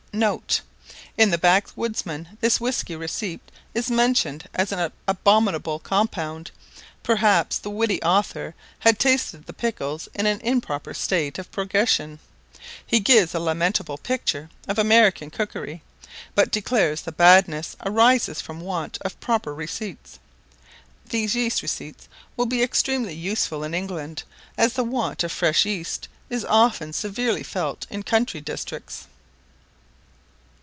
[* In the "Backwoodsman," this whiskey receipt is mentioned as an abominable compound: perhaps the witty author had tasted the pickles in an improper state of progression. He gives a lamentable picture of American cookery, but declares the badness arises from want of proper receipts. These yeast receipts will be extremely useful in England; as the want of fresh yeast is often severely felt in country districts.